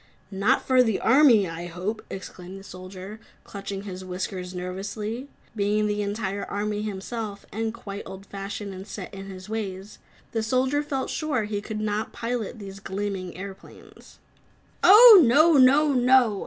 "Not for the army, I hope," exclaimed the Soldier, clutching his whiskers nervously. Being the entire army himself, and quite old fashioned and set in his ways, the Soldier felt sure he never could pilot these gleaming airplanes. "Oh, No! No! NO!"